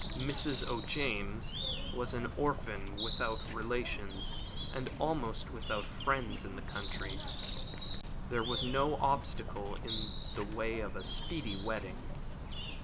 Mrs. O'James was an orphan, without relations and almost without friends in the country. There was no obstacle in the way of a speedy wedding.